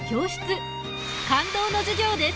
感動の授業です。